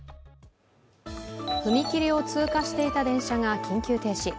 踏切を通過していた電車が緊急停止。